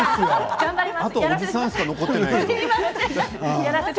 頑張ります。